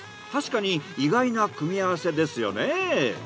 確かに意外な組み合わせですよね。